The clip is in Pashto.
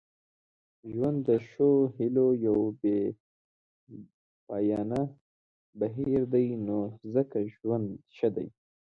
ژوند د ښو هیلو یو بې پایانه بهیر دی نو ځکه ژوند ښه دی.